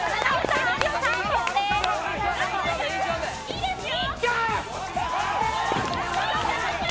いいですよ。